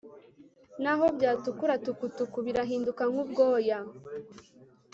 naho byatukura tukutuku birahinduka nk'ubwoya